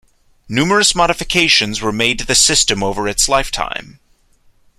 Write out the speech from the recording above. Numerous modifications were made to the system over its lifetime.